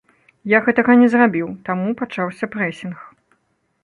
Я гэтага не зрабіў, таму пачаўся прэсінг.